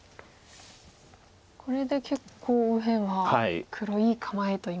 これで結構右辺は黒いい構えといいますか。